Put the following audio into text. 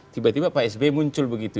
tiba tiba pak sby muncul begitu